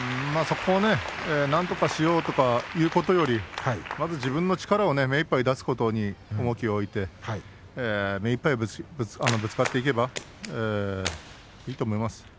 そこをなんとかしようとかいうことよりまず自分の力を目いっぱい出すことに重きを置いて目いっぱいぶつかっていけばいいと思います。